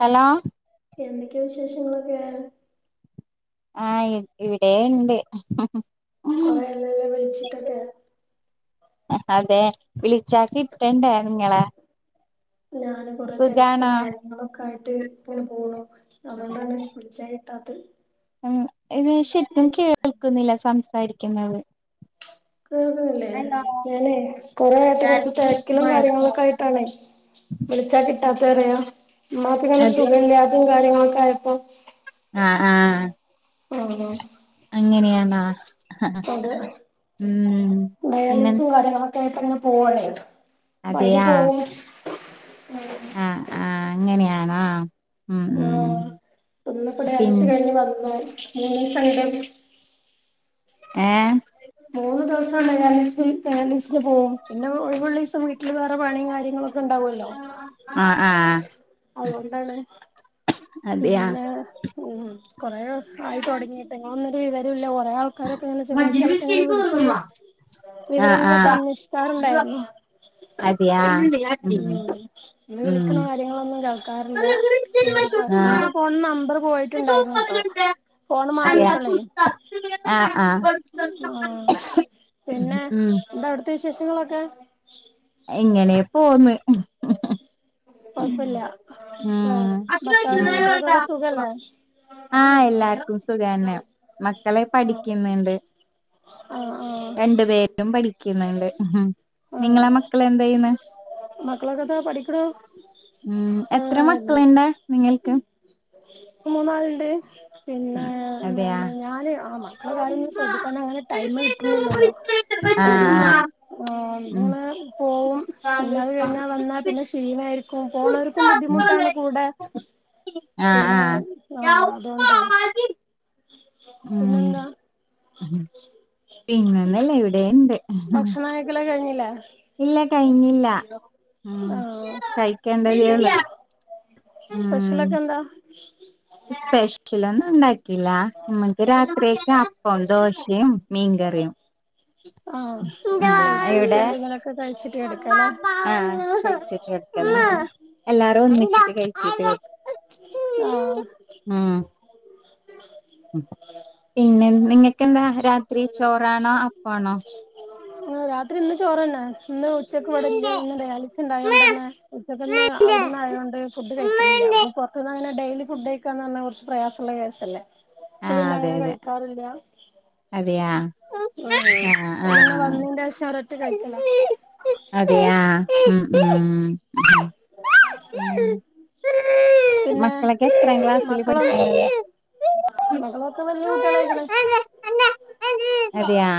Hello എന്തൊക്ക്യോ വിശേഷങ്ങളൊക്കെ ആഹ് ഇവിടെണ്ട് കുറെല്ലല്ല വിളിച്ചിട്ടൊക്കെ അതെ കിട്ടേണ്ടേ ആണുങ്ങളെ ഞാനും കൊറെ തിരക്കും കാര്യങ്ങളും ഒക്കെ ആയിട്ട് ഇങ്ങനെ പോണു അതുകൊണ്ടാണ് വിളിച്ചാ കിട്ടാത്ത് ഉം [unintelligible] ശരിക്കും കേൾക്കുന്നില്ല സംസാരിക്കുന്നത് കേൾക്കുല്ലേ ഞാനെയ് കുറേ ആയിട്ട് കുറച്ച് തെരക്കിലും കാര്യങ്ങൾക്കൊക്കെ ആയിട്ട് ട്ടാണെ വിളിച്ചാ കിട്ടാത്തത് പറയാ ഇമ്മാക്ക് ഇങ്ങനെ അതെ സുഖല്ലാത്തതും കാര്യങ്ങളൊക്കെ ആയി [unintelligible] ആഹ് ആഹ് ആഹ് അങ്ങനെയാണോ ആഹ് അത് ഉം പിന്നെ ഡയാലിസും [unintelligible] പോവാണേ എന്നിട്ട് അയ്ല് അതെയാ പോവും ആഹ് ആഹ് അങ്ങനെയാണോ ഉം ഉം ആഹ് ഇന്ന് ഇപ്പ പിൻ ഡയാലിസിസ് കയിഞ്ഞ് വന്നു മൂന്നീസം [unintelligible] ഏഹ് മൂന്ന് ദിവസം ഡയാലിസിസ് ഡയാലിസിസിന് പോവും പിന്നെ ഒഴിവുള്ളീസം വീട്ടില് വേറെ പണിയും കാര്യങ്ങളും ഒക്കെ ഇണ്ടാവോല്ലോ ആഹ് ആഹ് അതുകൊണ്ടാണ് അതെയാ പിന്നെ ഉം കൊറേ ആയി തുടങ്ങിയിട്ട് ഇങ്ങളൊന്നും ഒരു വിവരോല്ല കുറേ ആൾക്കാരൊക്കെങ്ങനെ ചെങ്ങായിചളൊക്കെ ഇങ്ങനെ വിളിച്ച് ആഹ് വിവരങ്ങളൊക്കെ ആഹ് അന്വേഷിക്കാറുണ്ടായിരുന്നു അതെയാ ഉം ഇങ്ങള് ഉം വിളിക്കുന്നോ കാര്യങ്ങളൊന്നും ഇല്ല ഇൻക്കറീല്ല വേറെ ആഹ് ഇന്റെ ഫോണിന്ന് നമ്പർ പോയിട്ടുണ്ടായിരുന്നു ട്ടോ അതെയാ ഫോണ് മാറിയപ്പളേ ആഹ് ആഹ് ആഹ് പിന്നെ ഉം എന്താ അവിടുത്തെ വിശേഷങ്ങളൊക്കെ? ഇങ്ങനേ പോന്ന് ഉം കൊഴപ്പില്ല ല്ലേ ഉം ഭർത്താവിനും കുട്ടികൾക്കൊക്കെ സുഖല്ലേ ആഹ് എല്ലാർക്കും സുഖാണ്‌ മക്കള് ആഹ് പഠിക്കുന്നുണ്ട് ആഹ് രണ്ടു പേരും പഠിക്കുന്നുണ്ട് ആഹ് നിങ്ങളെ മക്ക ളെന്താ ചെയ്യ്ന്ന് മക്കളൊക്കെതാ പഠിക്കണു ഉം എത്ര ആഹ് മക്കളുണ്ട് നിങ്ങൾക്ക് മൂന്നാള്ണ്ട് ഉം അതെയാ ഉം ഞാന് ആ മക്കളെ കാര്യം ഒന്നും ശ്രദ്ധിക്കാൻ അങ്ങനെ ടൈമ് കിട്ടുന്നില്ലല്ലോ ആഹ് കാരണം ആഹ് ആഹ് ഉം ഞങ്ങള് പോവും പിന്നെ ആഹ് അത് കഴിഞ്ഞാ വന്നാ പിന്നെ ക്ഷീണായിരിക്കും ക്കും പോണോർക്കും ബുദ്ധിമുട്ടാണ് കൂടെ പിന്നെ ആഹ് ആഹ് അതോണ്ടേയ് പിന്നെന്താ ഉം പിന്നെ ഒന്നുല്ലാ ഇവിടെ ഇണ്ട് [unintelligible] ക്കെ കഴിഞ്ഞില്ലേ. ഇല്ല കഴിഞ്ഞില്ല ഉം കഴിക്കണ്ട [unintelligible] സ്പെഷലൊക്കെ എന്താ. സ്പെഷ്യലൊന്നും ഉണ്ടാക്കില്ല നമ്മക്ക് രാത്രിക്ക് അപ്പം ദോശയും. മീൻ കറിയും. ആഹ് ലൈറ്റ് ആയിട്ട് എന്തേലൊക്കെ കഴിച്ചിട്ട് കെടക്കലേ ആഹ് കഴിച്ചിട്ട് എല്ലാരും ഒന്നിച്ചിട്ട് കഴിച്ചിട്ട് ആഹ് ഉം പിന്നെ നിങ്ങക്കെന്താ രാത്രി ചോറാണോ അപ്പാണോ രാത്രി ഇന്ന് ചോറ്ന്നെ ഇന്ന് ഉച്ചയ്ക്ക് ഇവ്ടെല്ല്യന്ന് ഡയാലിസ് ഇണ്ടായോണ്ടെന്നെ ഇന്ന് അവിടന്ന് ആയോണ്ട് ഫുഡ് കഴിക്കലില്ല പുറത്തുന്ന് അങ്ങനെ ഡയിലി ഫുഡ് കഴിക്കാന്ന് പറഞ്ഞ കുറച്ച് പ്രയാസള്ള കേസല്ലേ അപ്പൊ ആഹ് പിന്നെ അതെ അങ്ങനെ അതെ കഴിക്കാറില്ല അതെയാ ഉം ആഹ് അപ്പൊ പിന്നെ ആഹ് വന്നിന്റേശം ഒരറ്റ കഴിക്കലാ അതെയാ ഉം ഉം ഉം ഉം പിന്നെ മക്കളൊക്കെ എത്രാം ക്ലാസ്സിൽ മക്കളൊ പഠിക്കുന്നേ മക്കളൊക്കെ വല്യ കുട്ട്യളായിക്ക്ണ് അതെയാ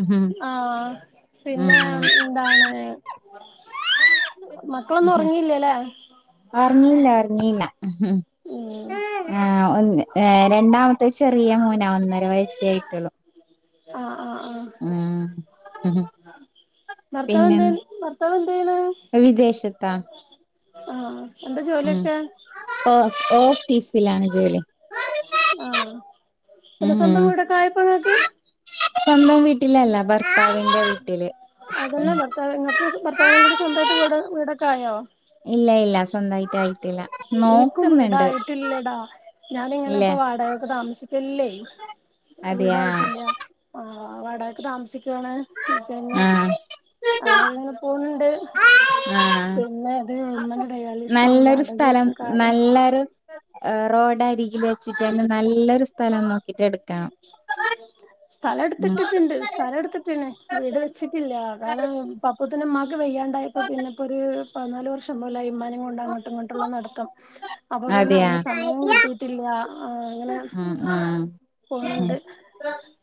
ഉം ആഹ് പിന്നെ ഉം ഉം എന്താണ് മക്കളൊന്നും ഉറങ്ങില്ല്യലേ ഉറങ്ങിയില്ല ഉറങ്ങിയില്ല ഉം ആഹ് ഒന്ന് ഏഹ് രണ്ടാമത്തെ ചെറിയ മോനാ ഒന്നര വയസ്സേ ആയിട്ടുള്ളു ആഹ് ആഹ് ആഹ് ഉം ഭർത്താവ് പിന്നെ എന്താ ഭർത്താവ് എന്താ ചെയ്യ്ണ് വിദേശത്താ ആഹ് എന്താ ഉം ജോലിയൊക്കെ ഓ ഓഫീസിലാണ് ജോലി ആഹ് പിന്നെ ഉം സ്വന്തം വീടൊക്കെ ആയപ്പൊ ഇങ്ങക്ക് സ്വന്തം വീട്ടിലല്ല ഭർത്താവിന്റെ വീട്ടില് ഉം നിങ്ങൾക്ക് ഭർത്താവിനും കൂടി സ്വന്തായിട്ട് വീ വീടൊക്കെ ആയോ ഇല്ല ഇല്ല സ്വന്തായിട്ടായി എനിക്കും വീടായിട്ടില്ലെടാ ഞാനിങ്ങനെ ഇല്ലേ ഇപ്പൊ വാടകക്ക് താമസിക്കില്ലേ അതെയാ വീടായിട്ടില്ല ആഹ് വാടകക്ക് താമസിക്കുവാണ് പിന്നെ ആഹ് അങ്ങനെങ്ങനെ പോന്നുണ്ട് ആഹ് പിന്നെ അത് ഇമ്മന്റെ നല്ലൊരു സ്ഥലം നല്ലൊരു റോഡരികില് വച്ചിട്ട് തന്നെ നല്ലൊരു സ്ഥലം നോക്കിട്ട് എടുക്കണം സ്ഥലം ഉം എടുത്തിട്ടിട്ടുണ്ട് സ്ഥലം എടുത്തിട്ട്ണ് വീട് വെച്ചിട്ടില്ല കാരണം അപ്പോത്തിന് ഇമ്മാക്ക് വയ്യാണ്ടയപ്പൊ പിന്നെ ഇപ്പോ ഒരു പതിനാല് വർഷം ഒന്നൂല ഇമ്മാനേം കൊണ്ട് അങ്ങോട്ടും ഇങ്ങോട്ടുള്ള നടത്തം അപ്പൊ പിന്നെ അതെയാ അതിന് സമയം കിട്ടിയിട്ടില്ല അങ്ങനെ ഉം ഉം ഉം പോണണ്ട്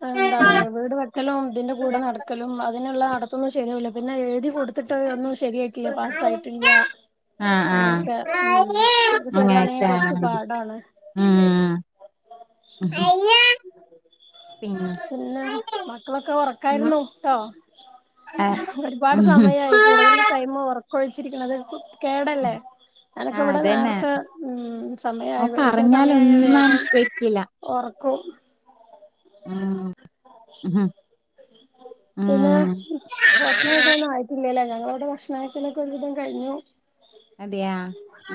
എന്താണ് വീട് വെക്കലും ഇതിന്റെ കൂടെ നടക്കലും അതിനുള്ള നടത്തൊന്നും ശരിയാവില്ല പിന്നെ എഴുതി കൊടു ത്തിട്ട് ഒന്നും ശരിയായിട്ടില്ല പാസായിട്ടില്ല ആഹ് അങ്ങനെ ആഹ് ഒക്കെ ഉം അത് ശരിയാണെങ്കിൽ കൊറച്ച് അങ്ങനെയൊക്കെയാണ് പാടാണ് ഉം പിന്നെ മക്കളൊക്കെ ഉറക്കായിരുന്നു ട്ടോ ആഹ് ഒരുപാട് സമയായി കൂടുതൽ ഉം ടൈം ഉറക്കൊഴിച്ചിരിക്കണത് കേടല്ലേ ഞാൻ ഒക്കെ ആഹ് ഇവിടെ അതന്നെ നേരത്തെ ഉം സമയായി ഒന്നും ഞാൻ നിസ്കരിക്കില്ല ഒറക്കും ആഹ് ഉം ആ ഇല്ലലെ. ഞങ്ങളെ ഇവെടെ ഭക്ഷണ വെക്കലൊക്കെ ഒരുവിധം കയിഞ്ഞു. അതെ അ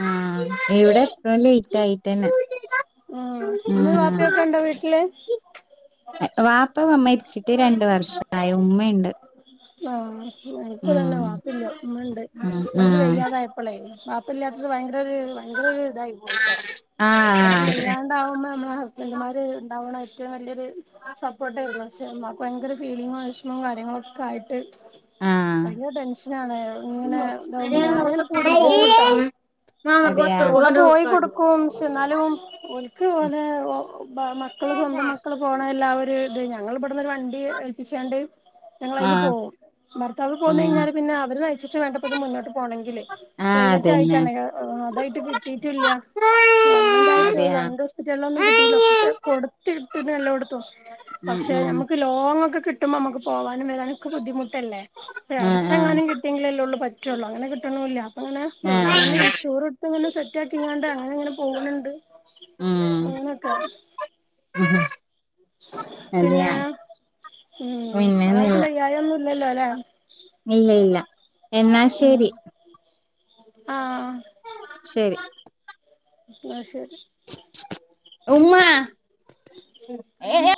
ആ ഇവിടെ ഇപ്പളും ലേയ്റ്റ് ആയി. തന്നെ ഉം ഉമ്മയും ആഹ് വാപ്പയൊക്കെ ഉണ്ടോ വീട്ടില് വാപ്പ മര്ച്ചിട്ട് രണ്ട് വർഷായി. ഉമ്മ ഇണ്ട്. ആഹ് എനിക്ക് തന്നെ വപ്പില്ല. ഉമ്മണ്ട് അ ഉം [unintelligible] ക്ക് ഉം വെയ്യാതായ വാപ്പല്ലാത്തത് ഭയങ്കരൊര് ഭയങ്കരൊര് ഇതായി പോയിട്ടോ. നമുക്ക് ആഹ് വെയ്യാൻ താവുമ്പെ നമ്മെളെ ഹസ്ബൻഡുമാര് ഇണ്ടാവണം ഏറ്റവും വല്യെരു. സപ്പോർട്ടേര്ന്നു. പക്ഷെ ഉമ്മാക്ക് ഭയങ്കര ഫീലിങ്ങും വെഷമും കാര്യങ്ങളൊക്കെ ആയിട്ട്. ആഹ് ഭയങ്കര ടെൻഷനാണ് ഇങ്ങനെ താകുമ്പം അതെയാ ഞാനങ് കൂടെ പോവുട്ടൊ. [unintelligible] കൂടെ പോയി കൊടുക്കും. ഷേ ഇന്നാലും ഒനിക്ക് ഓലെ ബ മാ മക്കള് സ്വന്തം മക്കള് പോണ ല്ലാവ ഒരു ഇത് ഞങ്ങള് ഇബെട്ന്നൊരു വണ്ടി എ ഏൽപ്പിച്ചാണ്ട്. ഞങ്ങളയ്ല് ആഹ് പോവും. ഭർത്താവ് ഉം പോന്നയ്ഞ്ഞാല് പിന്നെ അവര് നയിച്ചിട്ട് വേണ്ടപ്പത് മുന്നോട്ട് പോണെങ്കില് ആഹ് പ്രൈവറ്റ് അതന്നെ ആയിട്ടാണെ. അതായിട്ട് കിട്ടീട്ടില്ല ഗവൺമെന്റ് ആയിട്ട് അതെയാ രണ്ട് സ ള്ള ഒന്നും കിട്ടീല്ല. ഒക്കെ കൊ കൊടുത്ത് ഇട്ടിണ് എല്ലോട്ത്തും ഉം പക്ഷെ ഉം നമുക്ക് ലോങ് ഒക്കെ കിട്ടുമ്പമ്മക്ക് പോകാനും വേരാനൊക്ക ബുദ്ധിമുട്ടല്ലേ. ഇവിടെ ആഹ് ആഹ് അടുത്തെങ്ങാനും കിട്ടി [unintelligible] ലൊള്ളൂ പറ്റൊള്ളു. അങ്ങനെ കിട്ട്ണൂല്ല. അപ്പ അങ്ങന പ്രൈവറ്റിലെന്നെ ആഹ് ഇൻഷൂർ ഇപ്പ ഇങ്ങനെ സെറ്റ് ആക്കിങ്ങാണ്ട് അങ്ങനെ ഇങ്ങനെ പോവ്ണ് ണ്ട്. ഉം അങ്ങനെയൊക്കെ [inaudible] പിന്നെ അതെയാ ഉം പിന്നൊന്നില്ല ആർക്കും വെയ്യയൊന്നുംല്ലല്ലോല്ലെ. ഇല്ല ഇല്ല എന്നാ ഉം ശെരി. ആഹ് ശരി ഇന്നാ ശെരി. ഉമ്മാ [unintelligible] ഏഹ്.